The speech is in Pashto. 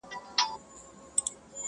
په دوکان یې عیال نه سو مړولای،